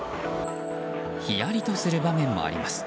ひやりとする場面もあります。